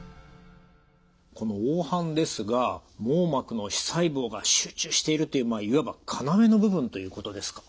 この黄斑ですが網膜の視細胞が集中しているといういわば要の部分ということですか？